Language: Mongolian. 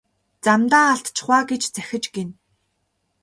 Замдаа алдчихав аа гэж захиж гэнэ.